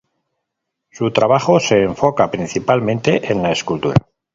Su trabajo se enfoca principalmente en la escultura.